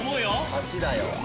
８だよ。